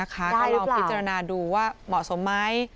ก็ลองพิจารณาดูว่าเหมาะสมไหม